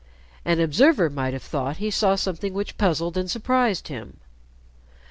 An observer might have thought he saw something which puzzled and surprised him.